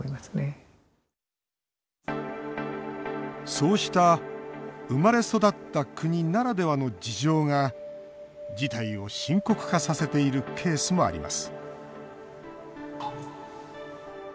そうした生まれ育った国ならではの事情が事態を深刻化させているケースもあります。